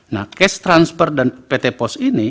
nah cash transfer dan pt pos ini